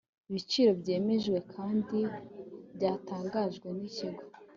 biciro byemejwe kandi byatangajwe n ikigo